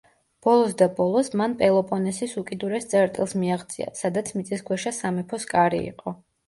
ბოლოს და ბოლოს მან პელოპონესის უკიდურეს წერტილს მიაღწია სადაც მიწისქვეშა სამეფოს კარი იყო.